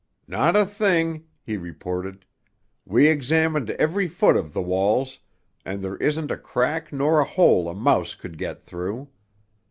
"Not a thing!" he reported. "We examined every foot of the walls, and there isn't a crack nor a hole a mouse could get through.